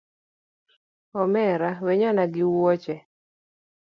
Omera wenyona gi wuoche